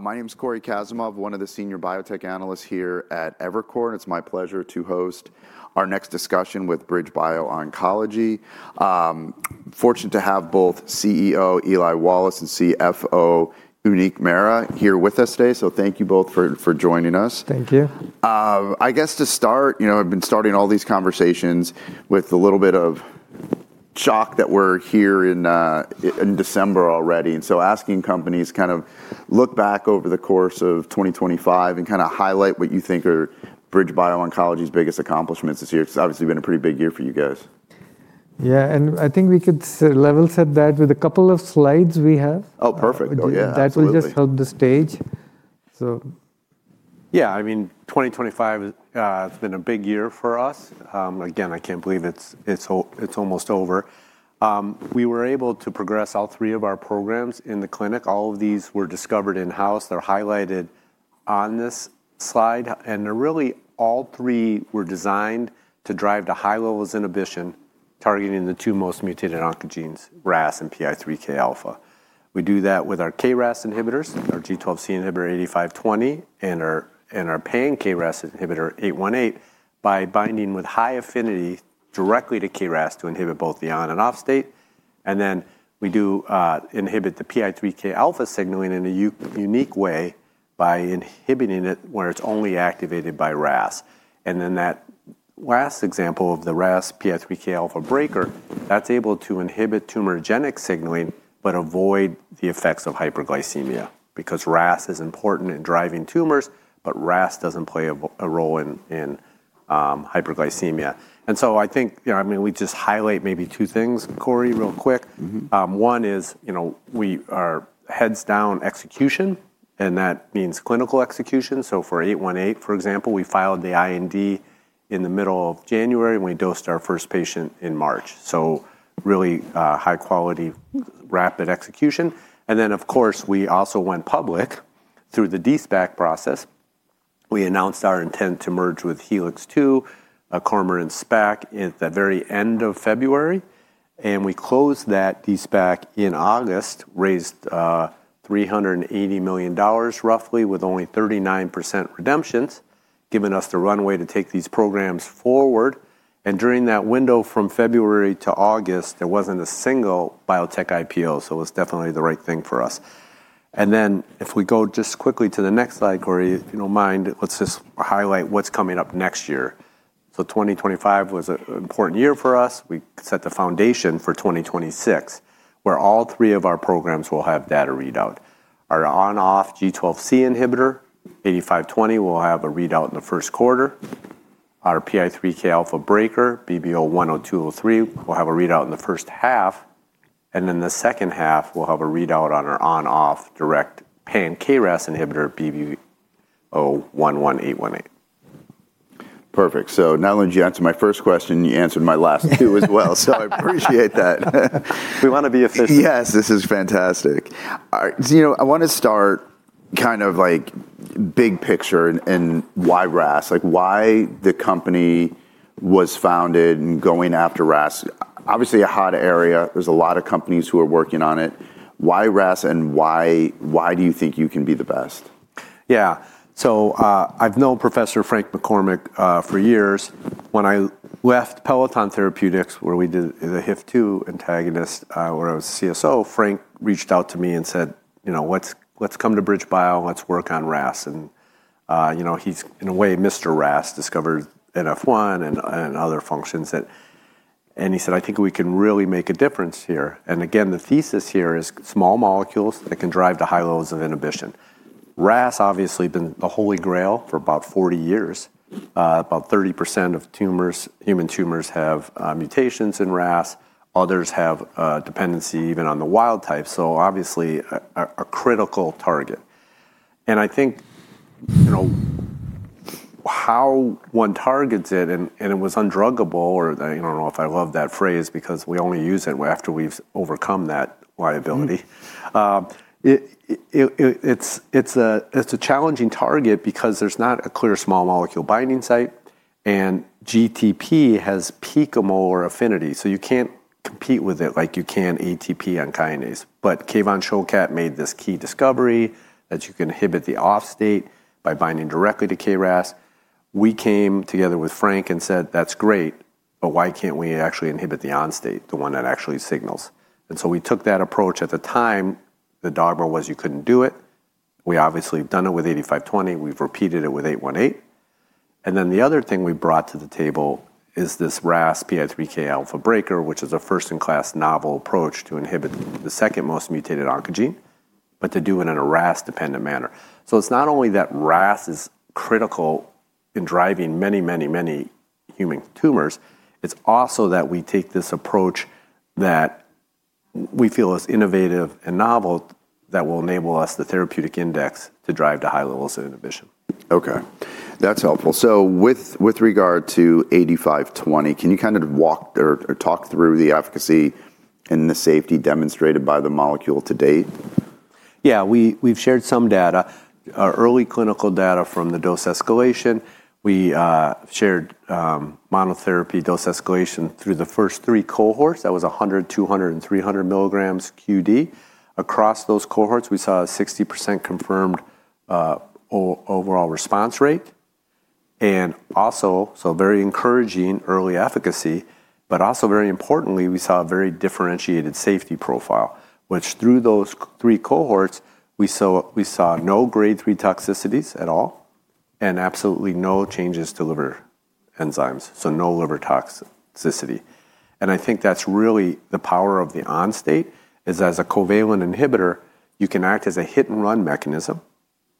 My name is Cory Kasimov, one of the senior biotech analysts here at Evercore, and it's my pleasure to host our next discussion with BridgeBio Oncology. Fortunate to have both CEO Eli Wallace and CFO Uneek Mehra here with us today, so thank you both for joining us. Thank you. I guess to start, you know, I've been starting all these conversations with a little bit of shock that we're here in December already, and so asking companies kind of look back over the course of 2025 and kind of highlight what you think are BridgeBio Oncology's biggest accomplishments this year. It's obviously been a pretty big year for you guys. Yeah, and I think we could level set that with a couple of slides we have. Oh, perfect. That will just help the stage. Yeah, I mean, 2025 has been a big year for us. Again, I can't believe it's almost over. We were able to progress all three of our programs in the clinic. All of these were discovered in-house. They're highlighted on this slide, and really all three were designed to drive to high levels inhibition targeting the two most mutated oncogenes, RAS and PI3K alpha. We do that with our KRAS inhibitors, our G12C inhibitor 8520, and our pan-KRAS inhibitor 818 by binding with high affinity directly to KRAS to inhibit both the on and off state. And then we do inhibit the PI3K alpha signaling in a unique way by inhibiting it where it's only activated by RAS. That last example of the RAS PI3K alpha breaker, that's able to inhibit tumorigenic signaling but avoid the effects of hyperglycemia because RAS is important in driving tumors, but RAS doesn't play a role in hyperglycemia. I think, you know, I mean, we just highlight maybe two things, Cory, real quick. One is, you know, we are heads-down execution, and that means clinical execution. For 818, for example, we filed the IND in the middle of January, and we dosed our first patient in March. Really high quality, rapid execution. Of course, we also went public through the de-SPAC process. We announced our intent to merge with Helix II, a Cormorant SPAC, at the very end of February, and we closed that de-SPAC in August, raised $380 million roughly with only 39% redemptions, giving us the runway to take these programs forward. And during that window from February to August, there wasn't a single biotech IPO, so it was definitely the right thing for us. And then if we go just quickly to the next slide, Cory, if you don't mind, let's just highlight what's coming up next year. So 2025 was an important year for us. We set the foundation for 2026, where all three of our programs will have data readout. Our on-off G12C inhibitor 8520 will have a readout in the first quarter. Our PI3K alpha breaker, BBO-10203, will have a readout in the first half, and then the second half will have a readout on our on-off direct pan-KRAS inhibitor, BBO-11818. Perfect. So not only did you answer my first question, you answered my last two as well, so I appreciate that. We want to be official. Yes, this is fantastic. You know, I want to start kind of like big picture and why RAS, like why the company was founded and going after RAS. Obviously a hot area. There's a lot of companies who are working on it. Why RAS and why do you think you can be the best? Yeah, so I've known Professor Frank McCormick for years. When I left Peloton Therapeutics, where we did the HIF2 antagonist, where I was CSO, Frank reached out to me and said, you know, let's come to BridgeBio, let's work on RAS. You know, he's in a way Mr. RAS, discovered NF1 and other functions that, and he said, I think we can really make a difference here. Again, the thesis here is small molecules that can drive to high levels of inhibition. RAS obviously has been the holy grail for about 40 years. About 30% of human tumors have mutations in RAS. Others have dependency even on the wild type, so obviously a critical target. I think, you know, how one targets it, and it was undruggable, or I don't know if I love that phrase because we only use it after we've overcome that liability. It's a challenging target because there's not a clear small molecule binding site, and GTP has picomolar affinity, so you can't compete with it like you can ATP on kinase. But Kevan Shokat made this key discovery that you can inhibit the off state by binding directly to KRAS. We came together with Frank and said, that's great, but why can't we actually inhibit the on state, the one that actually signals? And so we took that approach. At the time, the dogma was you couldn't do it. We obviously have done it with 8520. We've repeated it with 818. And then the other thing we brought to the table is this RAS PI3K alpha breaker, which is a first-in-class novel approach to inhibit the second most mutated oncogene, but to do it in a RAS-dependent manner. So, it's not only that RAS is critical in driving many, many, many human tumors, it's also that we take this approach that we feel is innovative and novel that will enable us the therapeutic index to drive to high levels of inhibition. Okay, that's helpful. So with regard to 8520, can you kind of walk or talk through the efficacy and the safety demonstrated by the molecule to date? Yeah, we've shared some data, early clinical data from the dose escalation. We shared monotherapy dose escalation through the first three cohorts. That was 100, 200, and 300 mg qd. Across those cohorts, we saw a 60% confirmed overall response rate. And also, so very encouraging early efficacy, but also very importantly, we saw a very differentiated safety profile, which, through those three cohorts, we saw no grade three toxicities at all and absolutely no changes to liver enzymes, so no liver toxicity. And I think that's really the power of the on state, as a covalent inhibitor, you can act as a hit-and-run mechanism.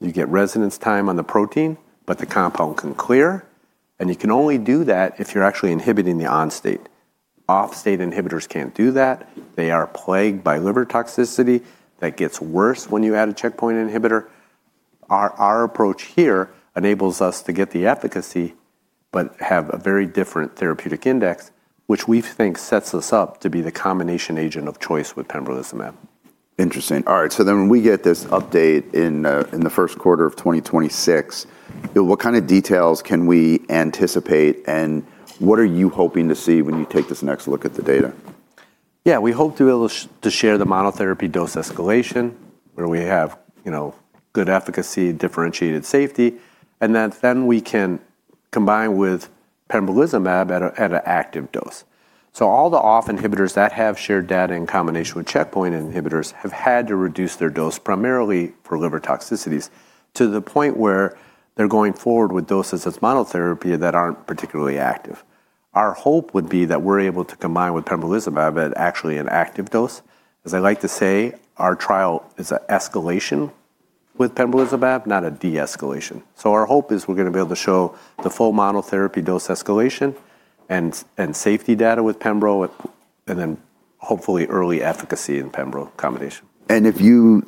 You get residence time on the protein, but the compound can clear, and you can only do that if you're actually inhibiting the on state. Off state inhibitors can't do that. They are plagued by liver toxicity that gets worse when you add a checkpoint inhibitor. Our approach here enables us to get the efficacy but have a very different therapeutic index, which we think sets us up to be the combination agent of choice with pembrolizumab. Interesting. All right, so then when we get this update in the first quarter of 2026, what kind of details can we anticipate and what are you hoping to see when you take this next look at the data? Yeah, we hope to be able to share the monotherapy dose escalation where we have, you know, good efficacy, differentiated safety, and then we can combine with pembrolizumab at an active dose. So all the other inhibitors that have shared data in combination with checkpoint inhibitors have had to reduce their dose primarily for liver toxicities to the point where they're going forward with doses of monotherapy that aren't particularly active. Our hope would be that we're able to combine with pembrolizumab at actually an active dose. As I like to say, our trial is an escalation with pembrolizumab, not a de-escalation. So our hope is we're going to be able to show the full monotherapy dose escalation and safety data with pembro, and then hopefully early efficacy in pembro combination. If you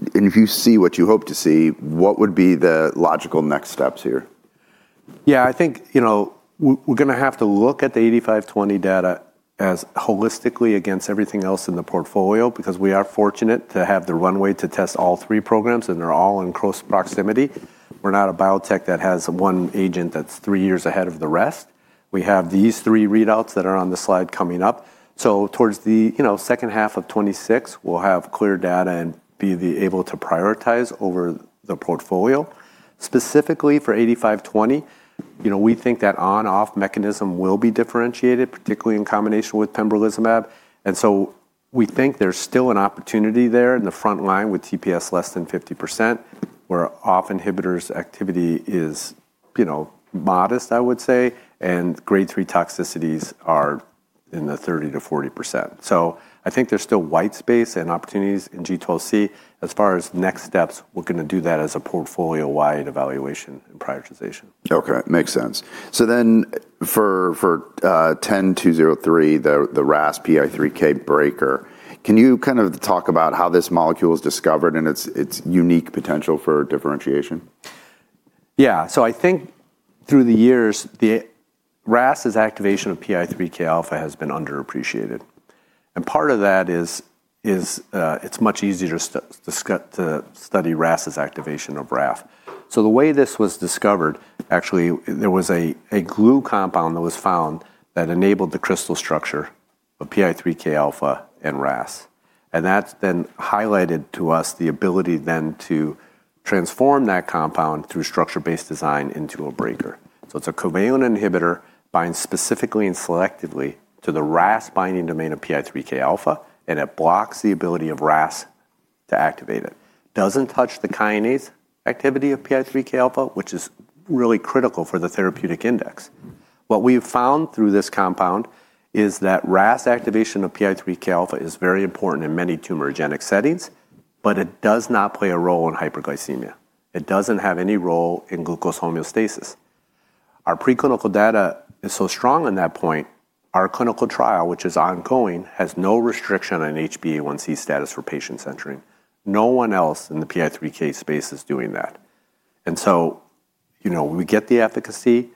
see what you hope to see, what would be the logical next steps here? Yeah, I think, you know, we're going to have to look at the 8520 data as holistically against everything else in the portfolio because we are fortunate to have the runway to test all three programs, and they're all in close proximity. We're not a biotech that has one agent that's three years ahead of the rest. We have these three readouts that are on the slide coming up. So towards the, you know, second half of 2026, we'll have clear data and be able to prioritize over the portfolio. Specifically for 8520, you know, we think that on-off mechanism will be differentiated, particularly in combination with pembrolizumab. And so we think there's still an opportunity there in the front line with TPS less than 50%, where off inhibitors activity is, you know, modest, I would say, and grade three toxicities are in the 30%-40%. So I think there's still white space and opportunities in G12C. As far as next steps, we're going to do that as a portfolio-wide evaluation and prioritization. Okay, makes sense. So then for 10203, the RAS PI3K breaker, can you kind of talk about how this molecule is discovered and its unique potential for differentiation? Yeah, so I think through the years, the RAS's activation of PI3K alpha has been underappreciated. And part of that is it's much easier to study RAS's activation of RAF. So the way this was discovered, actually, there was a glue compound that was found that enabled the crystal structure of PI3K alpha and RAS. And that's then highlighted to us the ability then to transform that compound through structure-based design into a breaker. So it's a covalent inhibitor binds specifically and selectively to the RAS binding domain of PI3K alpha, and it blocks the ability of RAS to activate it. Doesn't touch the kinase activity of PI3K alpha, which is really critical for the therapeutic index. What we've found through this compound is that RAS activation of PI3K alpha is very important in many tumor genetic settings, but it does not play a role in hyperglycemia. It doesn't have any role in glucose homeostasis. Our pre-clinical data is so strong on that point. Our clinical trial, which is ongoing, has no restriction on HbA1c status for patients entering. No one else in the PI3K space is doing that. And so, you know, we get the efficacy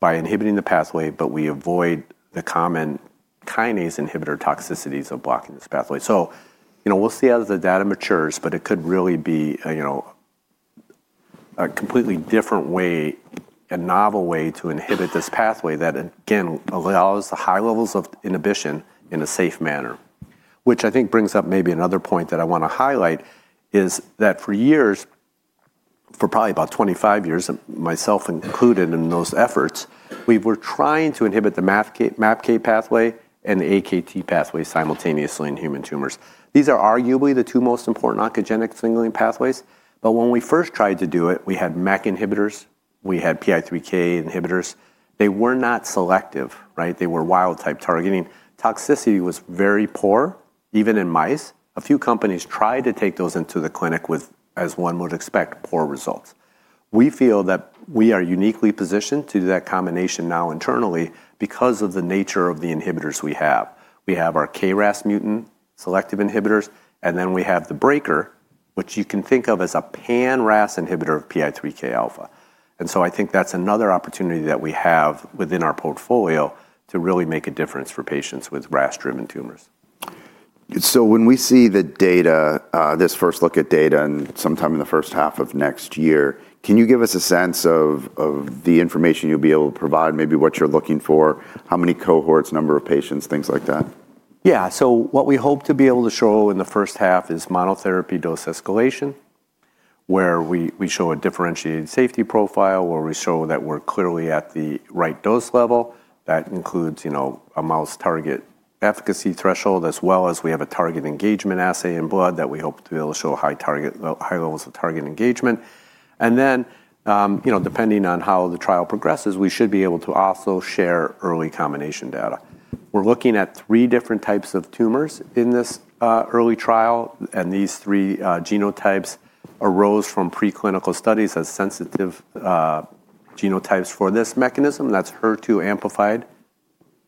by inhibiting the pathway, but we avoid the common kinase inhibitor toxicities of blocking this pathway. So, you know, we'll see as the data matures, but it could really be, you know, a completely different way, a novel way to inhibit this pathway that, again, allows the high levels of inhibition in a safe manner. Which I think brings up maybe another point that I want to highlight is that for years, for probably about 25 years, myself included in those efforts, we were trying to inhibit the MAPK pathway and the AKT pathway simultaneously in human tumors. These are arguably the two most important oncogenic signaling pathways, but when we first tried to do it, we had MEK inhibitors, we had PI3K inhibitors. They were not selective, right? They were wild-type targeting. Toxicity was very poor, even in mice. A few companies tried to take those into the clinic with, as one would expect, poor results. We feel that we are uniquely positioned to do that combination now internally because of the nature of the inhibitors we have. We have our KRAS mutant selective inhibitors, and then we have the breaker, which you can think of as a pan-RAS inhibitor of PI3K alpha. And so I think that's another opportunity that we have within our portfolio to really make a difference for patients with RAS-driven tumors. So when we see the data, this first look at data and sometime in the first half of next year, can you give us a sense of the information you'll be able to provide, maybe what you're looking for, how many cohorts, number of patients, things like that? Yeah, so what we hope to be able to show in the first half is monotherapy dose escalation, where we show a differentiated safety profile where we show that we're clearly at the right dose level. That includes, you know, a modest target efficacy threshold, as well as we have a target engagement assay in blood that we hope to be able to show high target, high levels of target engagement. And then, you know, depending on how the trial progresses, we should be able to also share early combination data. We're looking at three different types of tumors in this early trial, and these three genotypes arose from preclinical studies as sensitive genotypes for this mechanism. That's HER2-amplified,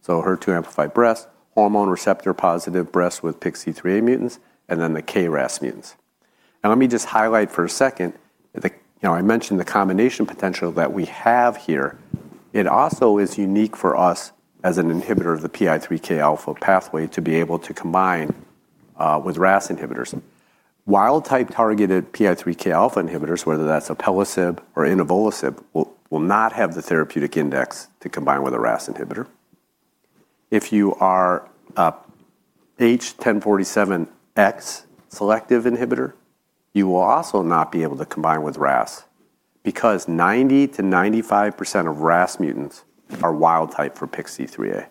so HER2-amplified breast, hormone receptor positive breast with PIK3CA mutants, and then the KRAS mutants. Now let me just highlight for a second, you know, I mentioned the combination potential that we have here. It also is unique for us as an inhibitor of the PI3K alpha pathway to be able to combine with RAS inhibitors. Wild type targeted PI3K alpha inhibitors, whether that's an alpelisib or inavolisib, will not have the therapeutic index to combine with a RAS inhibitor. If you are a H1047X selective inhibitor, you will also not be able to combine with RAS because 90%-95% of RAS mutants are wild type for PIK3CA.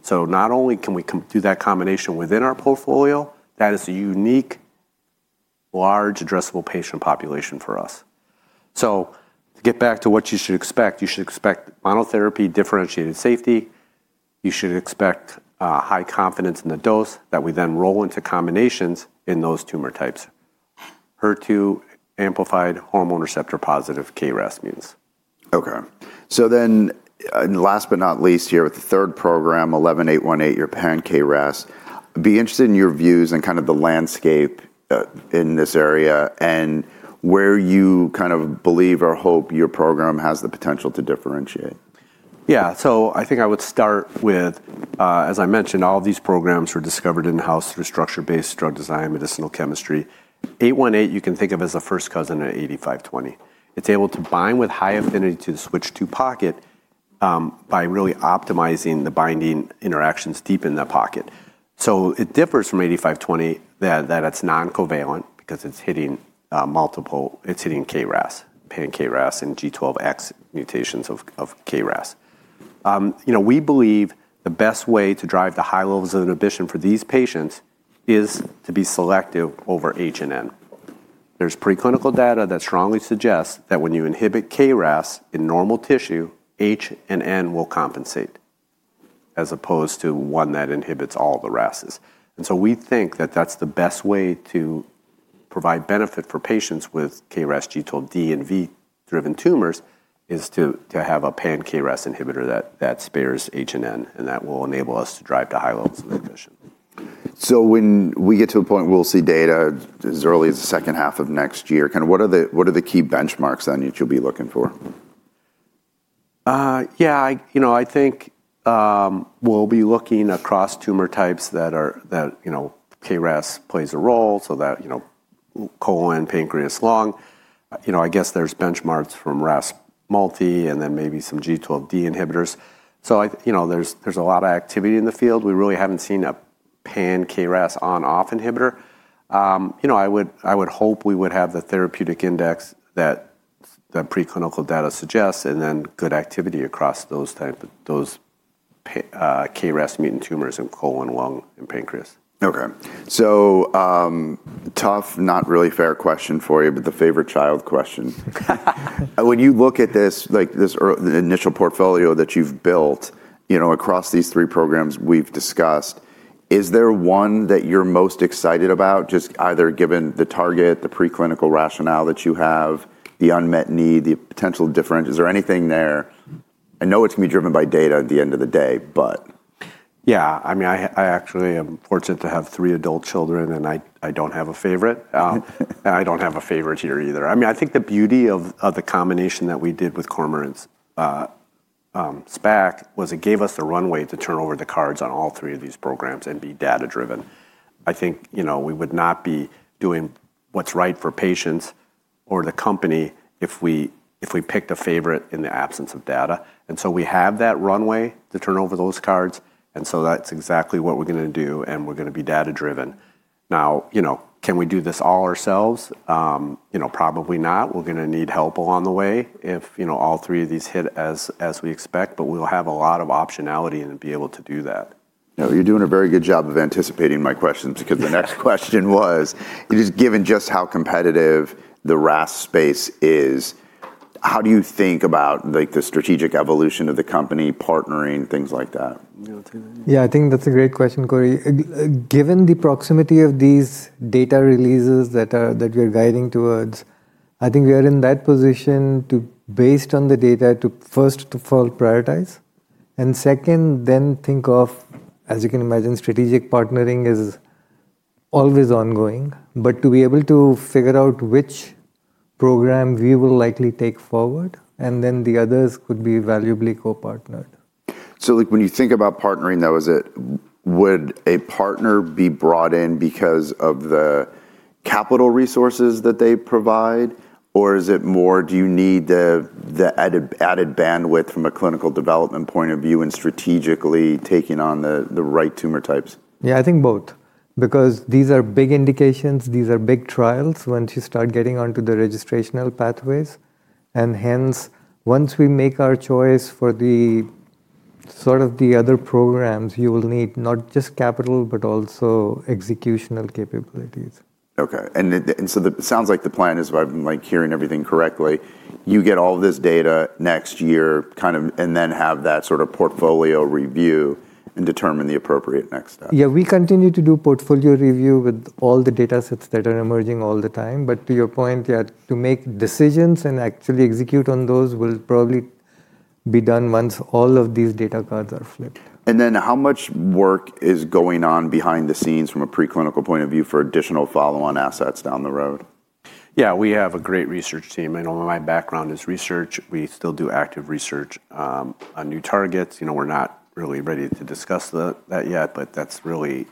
So not only can we do that combination within our portfolio, that is a unique, large, addressable patient population for us. So to get back to what you should expect, you should expect monotherapy, differentiated safety. You should expect high confidence in the dose that we then roll into combinations in those tumor types, HER2-amplified hormone receptor positive KRAS mutants. Okay, so then last but not least here with the third program, 11818, your pan-KRAS, be interested in your views and kind of the landscape in this area and where you kind of believe or hope your program has the potential to differentiate. Yeah, so I think I would start with, as I mentioned, all of these programs were discovered in-house through structure-based drug design, medicinal chemistry. 818, you can think of as a first cousin of 8520. It's able to bind with high affinity to the switch II pocket by really optimizing the binding interactions deep in that pocket. So it differs from 8520 that it's non-covalent because it's hitting multiple, it's hitting KRAS, pan-KRAS and G12X mutations of KRAS. You know, we believe the best way to drive the high levels of inhibition for these patients is to be selective over H and N. There's preclinical data that strongly suggests that when you inhibit KRAS in normal tissue, H and N will compensate as opposed to one that inhibits all the RASes. And so we think that that's the best way to provide benefit for patients with KRAS, G12D, and V-driven tumors is to have a pan-KRAS inhibitor that spares H and N, and that will enable us to drive to high levels of inhibition. So when we get to a point where we'll see data as early as the second half of next year, kind of what are the key benchmarks then that you'll be looking for? Yeah, you know, I think we'll be looking across tumor types that, you know, KRAS plays a role, so, you know, colon, pancreas, lung. You know, I guess there's benchmarks from RAS multi and then maybe some G12D inhibitors. So, you know, there's a lot of activity in the field. We really haven't seen a pan-KRAS on-off inhibitor. You know, I would hope we would have the therapeutic index that the preclinical data suggests and then good activity across those types, those KRAS mutant tumors in colon, lung, and pancreas. Okay, so tough, not really fair question for you, but the favorite child question. When you look at this, like this initial portfolio that you've built, you know, across these three programs we've discussed, is there one that you're most excited about, just either given the target, the preclinical rationale that you have, the unmet need, the potential difference, is there anything there? I know it's going to be driven by data at the end of the day, but. Yeah, I mean, I actually am fortunate to have three adult children, and I don't have a favorite. I don't have a favorite here either. I mean, I think the beauty of the combination that we did with Cormorant's SPAC was it gave us the runway to turn over the cards on all three of these programs and be data-driven. I think, you know, we would not be doing what's right for patients or the company if we picked a favorite in the absence of data. And so we have that runway to turn over those cards, and so that's exactly what we're going to do, and we're going to be data-driven. Now, you know, can we do this all ourselves? You know, probably not. We're going to need help along the way if, you know, all three of these hit as we expect, but we'll have a lot of optionality and be able to do that. You're doing a very good job of anticipating my questions because the next question was, just given how competitive the RAS space is, how do you think about like the strategic evolution of the company, partnering, things like that? Yeah, I think that's a great question, Cory. Given the proximity of these data releases that we're guiding towards, I think we are in that position to, based on the data, to first of all prioritize, and second, then think of, as you can imagine, strategic partnering is always ongoing, but to be able to figure out which program we will likely take forward, and then the others could be valuably co-partnered. So, like, when you think about partnering though, is it, would a partner be brought in because of the capital resources that they provide, or is it more, do you need the added bandwidth from a clinical development point of view and strategically taking on the right tumor types? Yeah, I think both, because these are big indications, these are big trials once you start getting onto the registrational pathways, and hence, once we make our choice for the sort of the other programs, you will need not just capital, but also executional capabilities. Okay, and so it sounds like the plan is, if I'm like hearing everything correctly, you get all this data next year, kind of, and then have that sort of portfolio review and determine the appropriate next step. Yeah, we continue to do portfolio review with all the data sets that are emerging all the time, but to your point, yeah, to make decisions and actually execute on those will probably be done once all of these data cards are flipped. How much work is going on behind the scenes from a preclinical point of view for additional follow-on assets down the road? Yeah, we have a great research team. I know my background is research. We still do active research on new targets. You know, we're not really ready to discuss that yet, but that's really,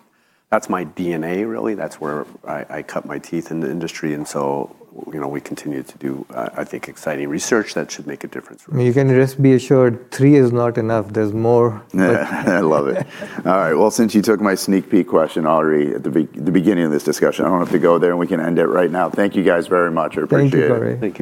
that's my DNA really. That's where I cut my teeth in the industry. And so, you know, we continue to do, I think, exciting research that should make a difference for us. You can just be assured, three is not enough. There's more. I love it. All right, well, since you took my sneak peek question, already at the beginning of this discussion, I don't have to go there and we can end it right now. Thank you guys very much. I appreciate it. Thank you, Cory.